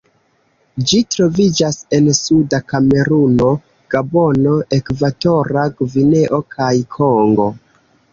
Ĝi troviĝas en suda Kameruno, Gabono, Ekvatora Gvineo, kaj Kongo.